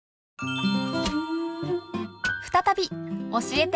再び「教えて！